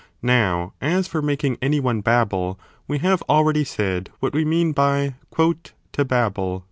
Now as for making any one babble, we have already said what we mean by to babble